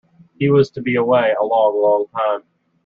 He was to be away a long, long time.